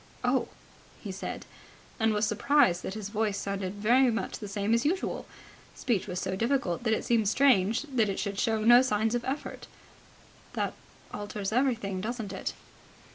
"Oh!" he said, and was surprised that his voice sounded very much the same as usual. Speech was so difficult that it seemed strange that it should show no signs of effort. "That alters everything, doesn't it."